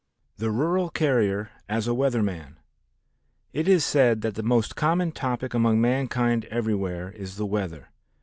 The Rural Carrier as a Weather Man It is said that the most common topic among mankind everywhere is the weather.